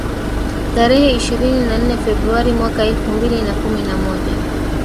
arehe ishirini na nne februari mwaka elfu mbili na kumi na moja